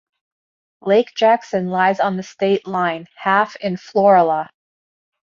Lake Jackson lies on the state line, half in Florala.